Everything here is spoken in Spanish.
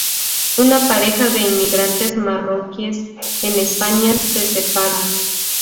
Una pareja de inmigrantes marroquíes en España se separa.